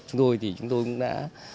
chúng tôi cũng đã